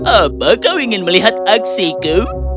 apa kau ingin melihat aksiku